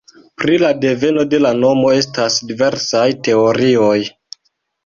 Pri la deveno de la nomo estas diversaj teorioj.